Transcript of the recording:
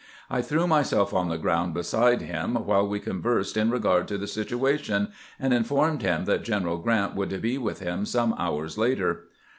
I threw myself on the ground beside him while we con versed in regard to the situation, and informed him that G eneral Grant would be with him some hours later.